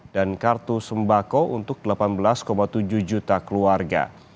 dan kartu sembako untuk delapan belas tujuh juta keluarga